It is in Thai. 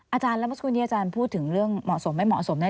อาจารย์แล้วเมื่อสักครู่นี้อาจารย์พูดถึงเรื่องเหมาะสมไม่เหมาะสมแ